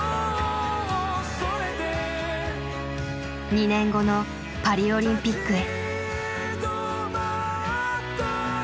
２年後のパリオリンピックへ。